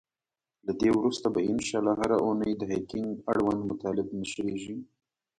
له دی وروسته به ان شاءالله هره اونۍ د هکینګ اړوند مطالب نشریږی.